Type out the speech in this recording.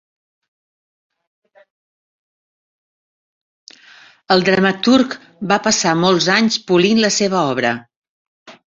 El dramaturg va passar molts anys polint la seva obra.